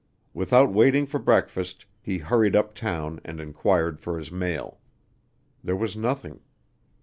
Without waiting for breakfast, he hurried up town and inquired for his mail. There was nothing.